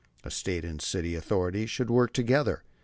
The State and city authorities should work together.